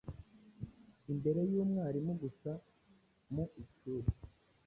imbere y’umwarimu gusa Mu ishur